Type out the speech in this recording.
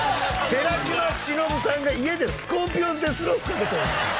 寺島しのぶさんが家でスコーピオンデスロックかけてるんですか？